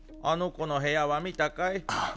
あの子の部屋は見たかい？